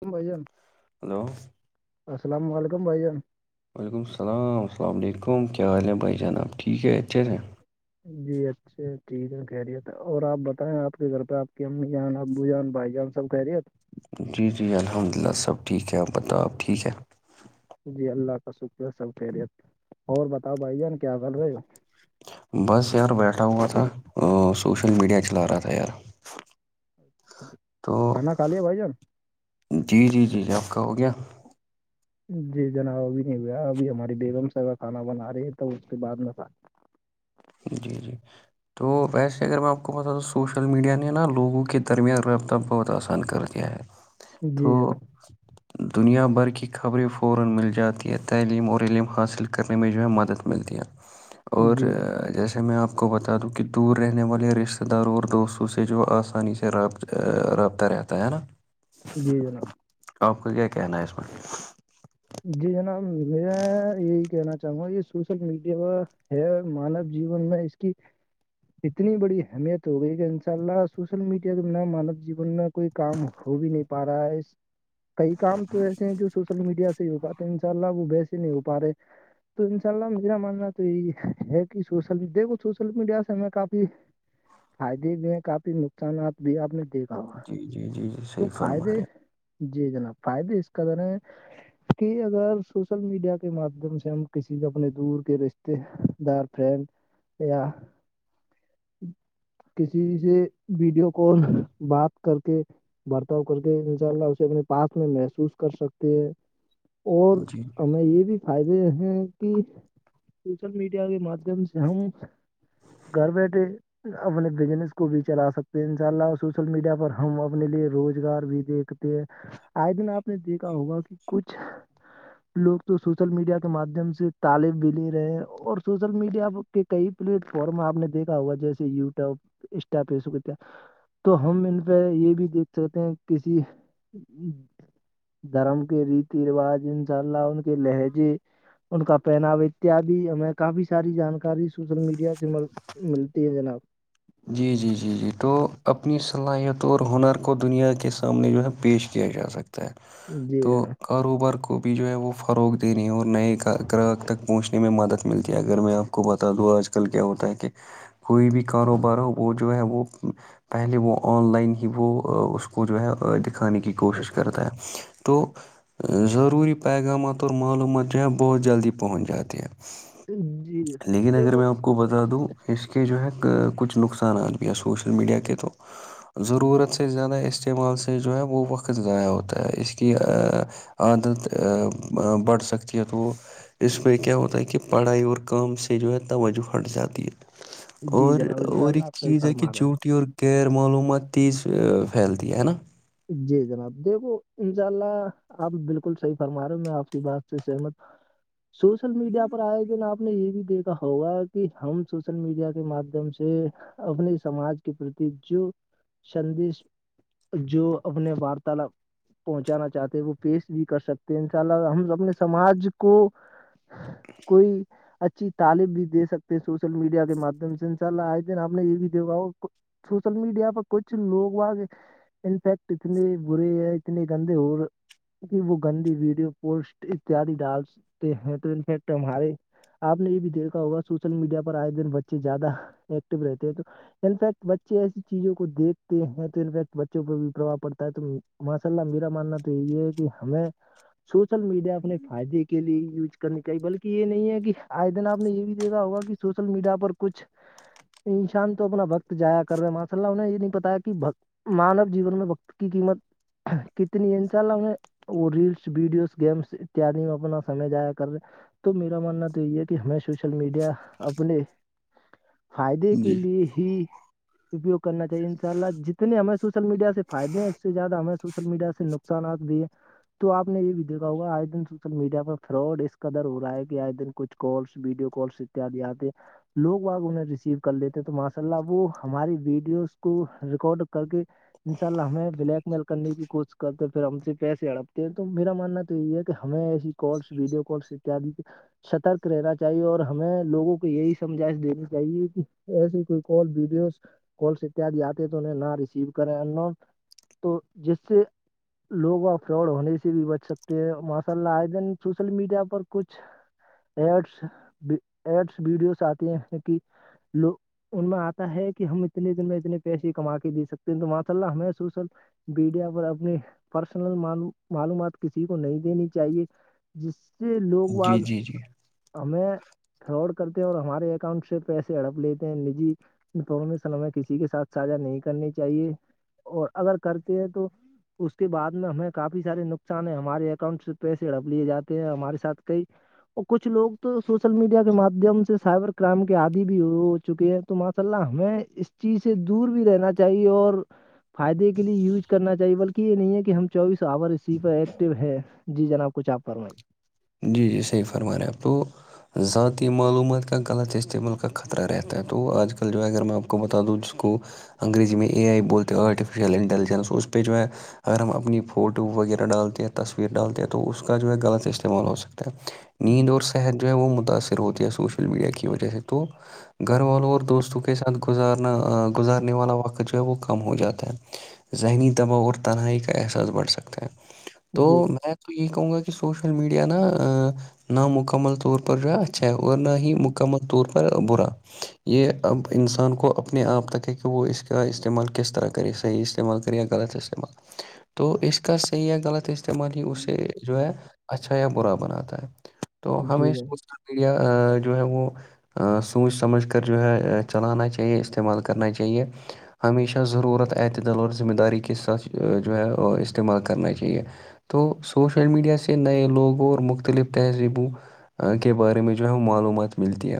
کائی جان ہلو السلام علیکم وعلیکم السلام السلام علیکم کیا حال ہیں بھائی جناب ٹھیک ہے ہیں جی اچھا ٹھیک ہے خیریت ہے اور آپ بتائیں آپ کے گھر پہ آپ کی امی جان ابو جان بھائی جان سب کہ رہی ہو تو جی جی الحمد للہ سب ٹھیک ہے آپ بتاؤ آپ ٹھیک ہے جی اللہ کا شکر سر خیریت اور بتاؤ بھائی جان کیا غل ہو بس یار بیٹھا ہووا تھا سوشل میڈیا چلا رہا تھا یار تو کھانا کھا لیا بھائی جان جی جی جی جی آپ کا ہو گیا جی جناب ابھی نہیں ہویا ابھی ہماری بیگم سا کانا بنا رہی ہے تو اس کے بعد میں جی جی تو ویسے اگر میں آپ کو بتا تو سوشل میڈیا نے نا لوگوں کے درمیان رابطہ بہت آسان کر کیا جی توٹ جناب دنیا بھر کی خبریں فورا مل جاتی ہے تحریم اور علم حاصل کرنے میں جو ہے مدد ملتی رووو اور جیسے میں آپ کو بتا دوں کہ دور رہنے والے رشتے داروں اور دوستوں سے جو آسانی سے رابطہ رابطہ رہتا ہے نا جی جناب آپ کو کیا کہنا ہے اس میں جی جناب میں یہی کہنا چاہوں گا یہ سوشل میڈیا ہے مانو جیون میں ٹھیک ہے اتنی بڑی اہمیت ہو گئی کہ ان شاء اللہ سذوشل میڈیا نہ مانو جیون میں کوئی کام ہو بھی نہیں پا رہا ہے کئی کام تو ایسے ہیں جو سوشل میڈیا سے ہو پاتے ان شاء اللہ وہ بس ہی نہیں ہو پا رہے تو انشاء اللہ میرا ماننا تو یہ ہے کہ سوشل دیکھو سوشل میڈیا سے ہم کافی فائدے بھی ہیں کافی نقصانات بھی آپ نے دیکھ جی جی جی جی صحیح فرما رہے جی جناب فائدہ اس کا ذرا ہے کہ اگر سوشل میڈیا کے ماددھیم سے ہم کسی اپنے دور کے رشتے دار فرینڈ یا کسی سے ویڈیو کال بات کر کے برتاؤ کر کے انشاء اللہ اسے اپنے پاس میں محسوس کر سکتے ہیں اور ہیں جی ہمیں یہ بھی فائدے ہیں کہ سوشل میڈیا کے مادھیم سے ہم گھر بیٹھے اپنے بزنس کو بھی چلا سکتے ہیں ان شاء اللہ سوشل میڈیا پر ہم اپنے لیے روزگار بھی دیکھ آئے دن آپ نے دیکھا ہوگا کہ کچھ لوگ تو سوشل میڈیا کے مادھیم سے تعالب بھی لے رہے ہیں اور سوشل میڈیا کئی پلیٹ فارم آپ نے دیکھا ہوا جیسے یوٹیوب انسٹا فیس بک ات تو ہم ان پہ یہ بھی دیکھ سکتے ہیں کسی دھرم کے ریتی رواج ان شاء اللہ ان کے لہجے ان کا پہناوا اتیاد ہمیں کافی ساری جانکاری سوشل میڈیا سے ملتی ہے جناب جی جی جی جی تو اپنی صلاحیتوں اور ہنر کو دنیا کے سامنے جو ہے پیش کیا جا سکتا ہے جی تو جناب کاروبار کو بھی جو ہے وہ فروغ دییننے ہے اور نئے گراہک تک پہنچنے میں مدد ملتی ہے اگر میں آپ بتا دوں آج کل کیا ہوتا ہے کہ کوئی بھی کاروبار وہ جو ہے وہ پہلے وہ آن لائن ہی وہ اس کو جو ہے دکھ کھانے کی کوشش کرتا ہے تو ضروری پیغامات اور معلومات جو ہے بہت جلدی پہنچ جاتی ہے جی لیکن اگر دیکھو میں آپ کو بتا دوں اس کے جو ہے کچھ نقصانات بھی ہے سوشل میڈیا کے تو ضرورت سے زیادہ استعمال سے جو ہے وہ وقت ضاع ہوتا ہے اس کی عادت بڑھ سکتی ہے تو وہ اس میں کیا ہوتا ہے کہ پڑھائی اور کام سے جو ہے توجہ ہھٹ جاتی ہے جی اور جناب اور اللہ ایک آپ صحیح چیز ہے کہ فرما رہے ہیں جھوٹی اور غیر معلومات تیز پھیلتی ہے نا جی جناب دیکھو انشاء اللہ آپ بالکل صحیح فرما رہے ہو میں آپ کی بات سے سحمت سوشل میڈیا پر آئےیکن آپ نے یہ بھی دیکھا ہوگا کہ ہم سوشل میڈیا کے مادھیم سے اپنے سماج کے پرتی جو سندش جو اپنے وارتالاپ پہنچانا چاہتے ہیں وہ پیش بھی کر سکتے ہیں ان شاء اللہ ہم اپنے سماج کو کوئی اچھ اچھی تعلیم بھی دے سکتے ہیں سوشل میڈیا کے مادھیم سے انشاء اللہ آئے دن آپ نے یہ بھی دیکھا سوشل میڈیا کچھ لوگ انفیکٹ اتنی بری ہے اتنی گندی اور وہ گندی ویڈیو پوسٹ اتیاد ڈال سکتے ہیں تو انفیکٹ ہمارے آپ نے یہ بھی دیکھا ہوگا سوشل میڈیا پر آئے دن بچے زیادہ ایکٹو رہتے ہیں تو انفیکٹ بچے ایسی چیزوں کو دیکھتے ہیں تو انفیکٹ بوں بھی پربھؤ پڑتا ہے تو ماشاء اللہ میرا ماننا تو یہ ہے کہ ہمیں سوشل میڈیا اپنے فائدے کے لیے یوز کرنی چاہیے بلکہ یہ نہیں ہے کہ آج دن آپ نے یہ بھی دیکھا ہوگ کہ سوشل میڈیا پر کچھ انسان تو اپنا بکت جایا کر رہے ہیں ماشا اللہ انہیں یہ نہیں پتایا کہ بکت مانو جیون میں بقت کی قیمت کتنی ہے انشاء اللہیں وہ ریلس ویڈیوز گیمس اتیادی میں اپنا سمجھ آیا کرے تو میرا ماننا تو یہ ہے کہ ہمیں سوشل میڈیا اپنے فائدے کے جی لیے ہی اپیوگ کرنا چاہیے ان شاء اللہ جتنے ہمیں سوشل میڈیا سے فائدے ہیں اس سے زیادہ ہمیں سوشل میڈیا سے نقصانات بھی ہیں تو آپ نے یہ بھی دیکھا ہوا آئے دن سوشل میڈیا پر فراڈ اس کا در ہو رہا ہے کہ آئے دن کچھ کالس ویڈیو کالس اتیاد آتے لوگ واگ انہیں ریسیو کر لیتے ہیں تو ماشاء اللہ وہ ہماری ویڈیوز کو ریکارڈ کر کے انشاء اللہ ہمیں بلیک میل کرنے کی کوشش کرتے ہیں پھر ہم سے پیسے اڑپتے ہیں تو میرا ماننا تو یہی ہے کہ ہمیں ایسی کالس ویڈیو کالس اتد سترک رہنا چاہیے اور ہمیں لوگوں کو یہی سمجائش دینی چاہیے کہ ایسی کوئی کال ویڈیوز کالس اتیاد آتے تو انہیں نہ ریسیو کریں ان تو جس سے لوگ ا فراڈ ہونے سے بھی بچ سکتے ہیں ماشاء اللہ آئے دن سوشل میڈیا پر کچھ ایڈس ایڈس ویڈیوز آتی ہیں کہ لو ان میں آتا ہے کہ ہم اتنے دن میں اتنے پیسے کما کے دے سکتے تات اللہ ہممی سو سوپ میڈیا پر اپنی پرسنلل معلومات کسی کو نہیں دینی چاہیے جس سے لوگ جی بج جی جی ہمیں فراڈ کرتے ہیں اور ہمارے اکاؤنٹ سے پیسے ہڑپ لیتے ہیں نجی دونوں میں سلمے کسی کے ساتھ ساھا نہیں کرنی چاہیے اور اگر کرتے ہیں تو اس کے بعد میں ہمیں کافی سارے نقصان ہیں ہمارے اکاؤنٹ سے پیسے رپ لیے جاتے ہیں ہمارے ساتھ کئی اور کچھ لوگ تو سوشل میڈیا کے مادھیم سے سائبر کرائم کے آدی بھی ہو چکے ہیں تو ماشاء اللہ ہمیں اس چیز سے دور بھی رہنا چاہیے اور فائدے کے لیے یوز کرنا چاہیے بلکہ یہ نہیں ہے کہ ہم چوبیس آور اسی پر ایکٹیو ہیں جی جناب کچھ آپ فرمائی جی جی صحیح فرما رہے ہیں آپ تو ذاتی معلومات کا غلط استعمال کا خطرہ رہتا ہے تو آج کل جو ہے اگر میں آپ کو بتا دوں جس کو انگریی میں ا آئی بولتے تو آٹفشل انٹیلجنس اس پیچ م میں اگر ہم اپنی فوٹو وغیرہ ڈالتے ہیں تصویر ڈالتے ہیں تو اس کا جو ہے غلط اس استعمال ہو سکتا ہے نیند اور صحت جو ہے وہ متاثر ہوتی ہے سوشل میڈیا کی وجہ سے تو گھر والوں اور دوستوں کے ساتھ گزارنا گزارنے والا وقت جو ہے وہ کم ہو جاتا ہے ذہنی دباؤ اور تنہائی کا احساس بڑھ سکتا ہے تو جی میں تو یہ کہوں گا کہ سوش سوشل میڈیا نا ن مکمل طور پر جو ہے اچھا ہے اور نہ ہی مکمل طور پر برا یہ اب انسان کو اپنے آپ تک ہے کہ وہ اس کا استعمال کس طرح کرے صحیح استعمال کر غلط استعمال [unintelligible] تو اس کا صحیح ہے غلط استعمال ہی اسے جو جی ہے اچھا یا برا بناتا ہے تو جی ہمیں جناب سوشل میڈیا جو ہے وہ سوچ سمجھ کر جو ہے چلانا چاہیے استعمال کرنا چاہیے ہمیشہ ضرورت اعتدل اور ذمہ داری کے ساتھ جو ہے استعمال کرنا چاہیے تو سوشل میڈیا سے نئے لوگوں اور مختلف تہذیبوں کے بارے میں جو ہے وہ معلومات ملتی ہے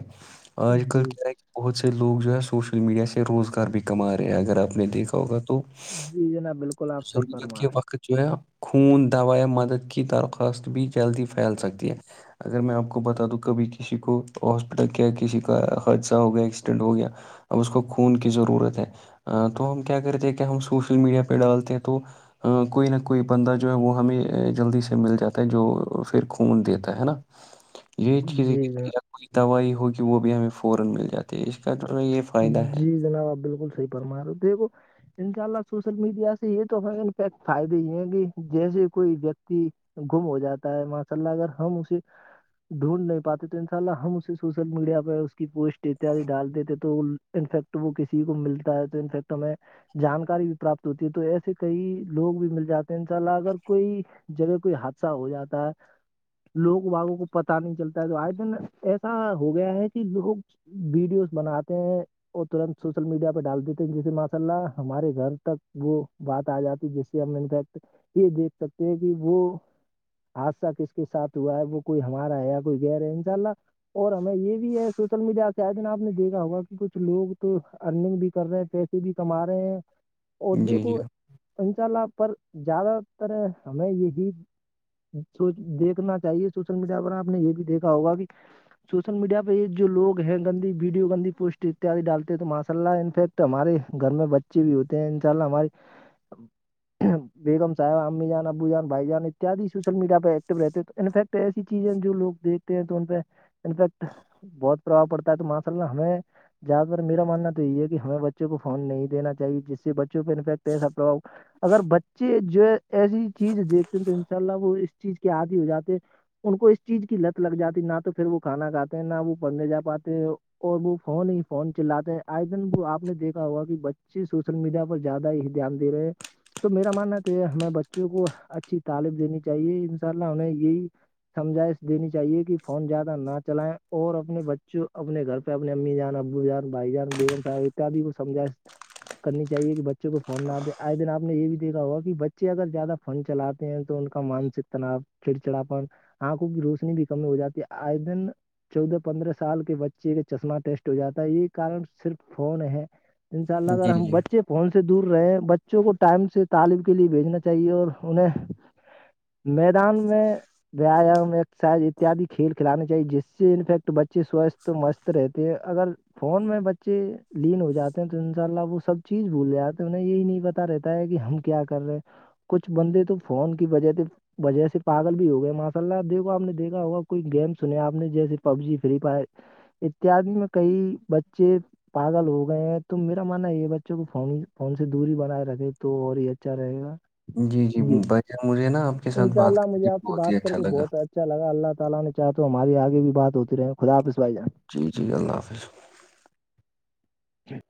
آج کل جی کیا ہے بہت سے لوگ جو ہے سوشل میڈیا سے روزگار بھی کما رہے ہیں اگر آپ نے دیکھا ہوگا تو جی جناب بالکل آپ صحیح ضرورت فرما کے رہے ہیں وقت جو ہے خون دوایا مدد کی درخواست بھی جلدی پھیل سکتی ہے اگر میں آپ کو بتا دوں کبھی کسی کو ہاسپٹل کیا کسی کا حادثہ ہو گیا ایکسیڈنٹ ہو گیا اب اس کو خون کی ضرورت ہے تو ہم کیا کرتے ہیں کہ ہم سوشل میڈیا پہ ڈالتے ہیں تو کوئی نہ کوئی بندہ جو ہے وہ ہمیں جلدی سے مل جاتا جو پھر خون دیتا ہے نا یہ ہیں چیزیں جی دوائی ہو گی وہ بھی ہمیں فورا مل جاتی ہے اس کا یہ فائدہ ہے جی جناب آپ بالکل صحی فرما رہے ہو دیکھو ان شاء اللہ سوشل میڈیا سے یہ تو ہمیں انپیکٹ فائدے ہی ہیں کہ جیسے کوئی ویکتی گم ہو جاتا ہے ماشاء اللہ اگر ہم اسے ڈھونڈ نہیں پاتے تو ان شاء اللہ ہم اسے سوشل میڈیا پہ اس کی پوسٹ اتیاد ڈال دیتے تو انفیکٹ وہ کسی کو ملتا ہے تو انفیکٹ ہمیں جانکاری بھی پراپت ہوتی ہے تو ایسے کئی لوگ بھی مل جاتے ہیں ان شاء اللہ اگر کوئی جبہ کوئی حادثہ ہو جاتا ہے لوگ واگوں کو پتا نہیں چلتا ہے تو آئے دن ایسا ہو گیا ہے کہ لوگ ویڈیوز بناتے ہیں وہ ترنت سوشل میڈیا پہ ڈال دیتے ہیں جیسے ماشاء اللہ ہمارے گھر تک وہ بات آ جاتی ہے جس ہم انفیکٹ یہ دیکھ سکتے ہیں کہ وہ حادثہ کس کے ساتھ ہوا ہے وہ کوئی ہمارا ہے یا کوئی گہ رہے ہے انشاء اللہ اور ہمیں یہ بھی ہے سوشل میڈیا آ کے آئے دن آپ نے دیکا ہوگا کچھ لوگ تو ارننگ بھی کر رہے ہیں پیسے بھی کما رہے ہیں عدے جی کو جی انشاء اللہ پر زیادہ تر ہمیں یہی سو دیکھنا چاہیے سوشل میڈیا پر آپ نے یہ بھی دیکھا ہوگا کہ سوشل میڈیا پہ یہ جووگ ہیں گندی ویڈیو گندی پوسٹ اتد ڈالتے ہیں تو ماشاء اللہ انفیکٹ ہمارے گھر میں بچے بھی ہوتے ہیں ان شاء اللہ ہماراری بیگم صاحب امی جان ابو جان بھائی جان اتیاد سوشل میڈیا پہ ایکٹو رہتے تو انفیکٹ ایسی چیزیں جو لوگ دیکتے ہیں تو ان پہ انفیکٹ بہت پربھؤ پڑتا ہے تو ماشاء اللہ ہمیں زیادہ تر میرا ماننا تو یہی ہے کہ ہمیں بچوں کو فون نہیں دین چاہیے جس سے فٹساھاؤ اگر بچے جو ایسی چیز دیکھتے ہیں تو ان شاء اللہ وہ چیز کے عادی ہو جاتے ان کو اس چیز کی لت لگ جاتی نہ تو پھر وہ کھانا کاتے ہیں نہ وہ پڑھنے جا پاتے ہیں اور وہ فون ہی فون چلاتے ہیں آئے دن وہ آپ نے دیکھا ہوا کہ بچے سوشل میڈیا پر زیادہ ہی دھیان دے رہے ہیں تو میرا ماننا تھا ہمیں بچوں کو اچھی تعلیم دینی چاہیے ان شاء اللہ ہمیں یہی سمجھائش دینی چاہیے کہ فون زیادہ نہ چلیں اور اپنے بچوں اپنے گھر پہ اپنی امی جانا جان بھائی جان بیگم صاب اتیاد کو سجھ کرنی چاہیے کہ بچوں کو فون نہ دے آئے دن آپ نے یہ بھی دیکھا ہوا کہ بچے اگر زیادہ فن چلاتے ہیں تو ان کا مانسک تناؤ چڑچڑاپن آنکھوں کی روشنی بھی کم میں ہو جاتی ہے آئدن چودہ پندرہ سال کے بچے کے چشمہ ٹیسٹ ہو جاتا یہی کارن صرف فون ہے ان شاء اللہ اگر جی ہم جی بچے فون سے دور رہے ہیں بچوں کو ٹائم سے تعالب کے لیے بھیجنا چاہیے اور انہیں میدان میں ویایام ایکسرسائز اتیاد کھیل کھلانے چاہیے جس سے انفیکٹ بچے سوستھ مست رہتے ہیں اگر فون میں بچے لین ہو جاتے ہیں تو ان شاء اللہ وہ سب چیز بھول آے ہیں انہیں یہی نہیں پتا رہتا ہے کہ ہم کیا کر رہے ہیں کچھ بندے تو فون کی وجہ سے وجہ سے پاگل بھی ہو گئے ماشاء اللہ آپ دیکھو آ نے دیکھا ہوگا کوئی گیم سنے آپ نے جیسے پب جی فری فائر اتیاد میں کئی بچے پاگل ہو گئے ہیں تو میرا ماننا ہے یہ بچوں کو ف فون سے دوری بنائے رکھے تو اور یہ اچھا رہے گا جی جی بھجن مجھے نا آپ کے ساتھ انشاء بات اللہ مجھے کرے آپ سے بہت ہی بات کر اچھا کے لگا بہت اللہ تعالی نے کیا تو ہماری اگے بھی بات اتر رہے ہیں خدا حافظ بھائی جی جی اللہ حافظ جٹھ